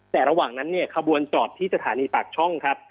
แต่ระหว่างนั้นเนี่ยขบวนจอดที่สถานีปากช่องครับ